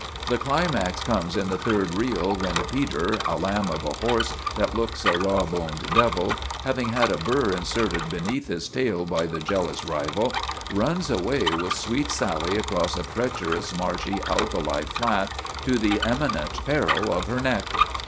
The climax comes in the third reel when Peter, a lamb of a horse that looks a raw boned devil, having had a burr inserted beneath his tail by the jealous rival, runs away with Sweet Sally across a treacherous, marshy alkali flat to the imminent peril of her neck.